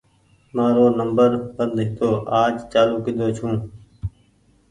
مآرو نمبر بند هيتو آج چآلو ڪۮو ڇوٚنٚ